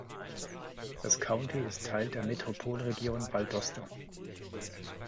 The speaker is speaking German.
Das County ist Teil der Metropolregion Valdosta.